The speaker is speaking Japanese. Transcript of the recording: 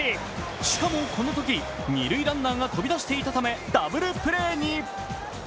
しかもこのとき二塁ランナーが飛び出していたためダブルプレーに。